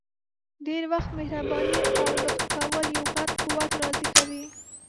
ډير وخت مهرباني او لطف کول یو غټ قوت راضي کوي!